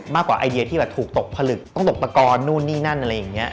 ไอเดียที่แบบถูกตกผลึกต้องตกตะกอนนู่นนี่นั่นอะไรอย่างนี้